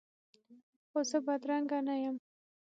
خو زه بدرنګه نه یم